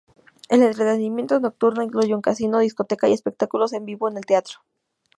El entretenimiento nocturno incluye un casino, discoteca y espectáculos en vivo en el teatro.